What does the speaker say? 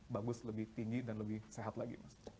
bagus lebih tinggi dan lebih sehat lagi mas